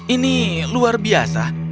ini luar biasa